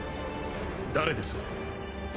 誰です？